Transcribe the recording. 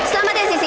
selamat ya sisil